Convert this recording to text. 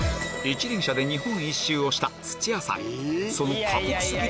一輪車で日本一周をした土屋さん